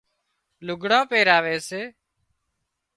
لگھڙان پيراوي سي